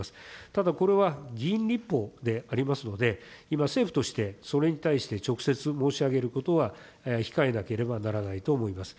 ただ、これは議員立法でありますので、今、政府として、それに対して直接申し上げることは控えなければならないと思います。